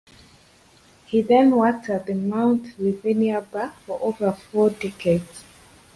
He then worked at the Mount Lavinia bar for over four decades.